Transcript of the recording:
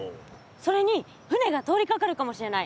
それに船が通りかかるかもしれない。